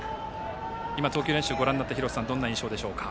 今、投球練習をご覧になって廣瀬さん、どんな印象ですか。